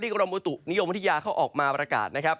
กรมบุตุนิยมวิทยาเขาออกมาประกาศนะครับ